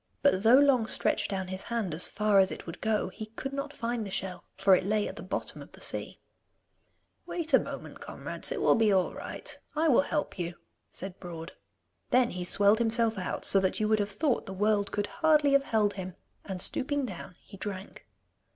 But though Long stretched down his hand as far as it would go, he could not find the shell, for it lay at the bottom of the sea. 'Wait a moment, comrades, it will be all right. I will help you,' said Broad. Then he swelled himself out so that you would have thought the world could hardly have held him, and stooping down he drank.